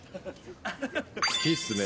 好きっすね。